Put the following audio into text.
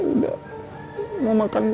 udah mau makan gue